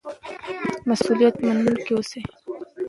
مسؤلیت منونکي اوسئ.